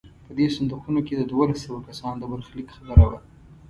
په دې صندوقونو کې د دولس سوه کسانو د برخلیک خبره وه.